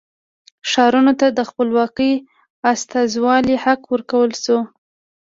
ښارونو ته د خپلواکې استازولۍ حق ورکړل شو.